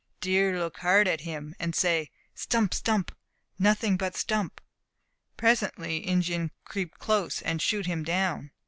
Deer look hard at him, and say "stump! stump! nothing but stump!" Presently Injin creep close, and shoot him down.